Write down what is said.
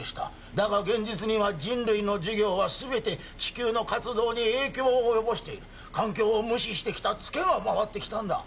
だが現実には人類の事業は全て地球の活動に影響を及ぼしている環境を無視してきたつけが回ってきたんだ